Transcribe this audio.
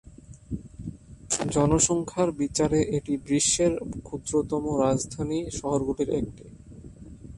জনসংখ্যার বিচারে এটি বিশ্বের ক্ষুদ্রতম রাজধানী শহরগুলির একটি।